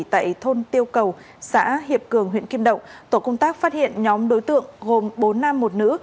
tại thôn tiêu cầu xã hiệp cường huyện kim động tổ công tác phát hiện nhóm đối tượng gồm bốn nam một nữ